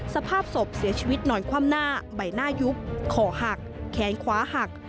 สภาพศพเสียชีวิตนอนคว่ำหน้าใบหน้ายุบคอหักแขนขวาหัก